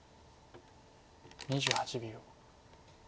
２８秒。